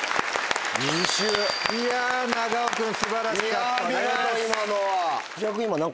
いや長尾君素晴らしかった。